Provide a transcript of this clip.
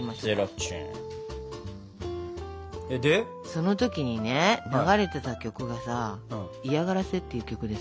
その時にね流れてた曲がさ「嫌がらせ」っていう曲でさ。